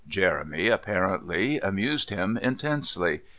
Jeremy, apparently, amused him intensely.